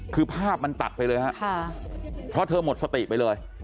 คือภาพมันตัดไปเลยฮะเพราะเธอหมดสติไปเลย